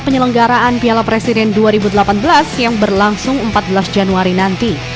penyelenggaraan piala presiden dua ribu delapan belas yang berlangsung empat belas januari nanti